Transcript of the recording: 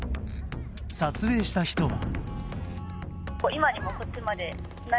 撮影した人は。